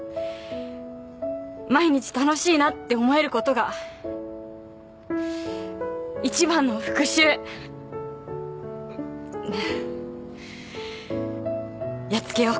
毎日楽しいなって思えることが一番の復讐やっつけよう